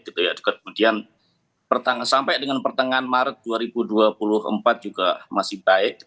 kemudian sampai dengan pertengahan maret dua ribu dua puluh empat juga masih baik